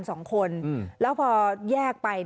สองคนแล้วพอแยกไป